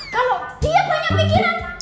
kalau dia banyak pikiran